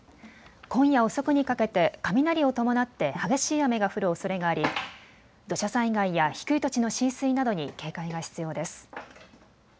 今夜遅くにかけて雷を伴って激しい雨が降るおそれがあり、土砂災害や低い土地の浸水などに警戒が必要です。